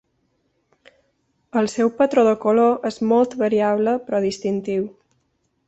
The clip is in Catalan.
El seu patró de color és molt variable però distintiu.